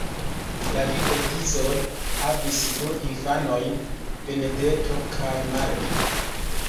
La geedzoj havis du infanojn Benedetto kaj Marta.